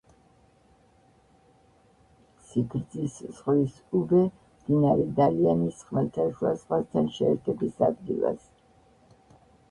სიგრძის ზღვის უბე მდინარე დალიანის ხმელთაშუა ზღვასთან შეერთების ადგილას.